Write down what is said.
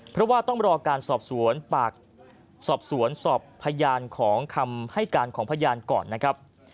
เพราะว่าต้องรอการสอบสวนปากสอบสวนสอบพยานของคำให้การของพยานก่อนนะครับ